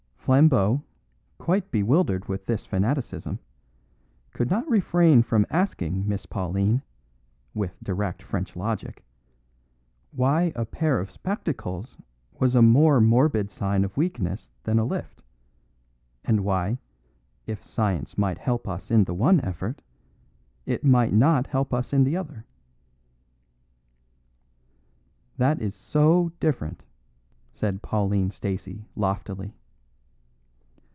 Flambeau, quite bewildered with this fanaticism, could not refrain from asking Miss Pauline (with direct French logic) why a pair of spectacles was a more morbid sign of weakness than a lift, and why, if science might help us in the one effort, it might not help us in the other. "That is so different," said Pauline Stacey, loftily.